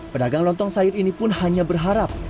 pedagang lontong sayur ini pun hanya berharap